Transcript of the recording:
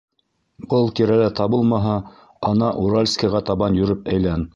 Был тирәлә табылмаһа, ана Уральскиға табан йөрөп әйлән.